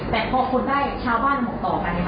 แต่พอคนได้ชาวบ้านมองต่อไปนะครับ